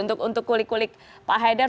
untuk kulik kulik pak haidar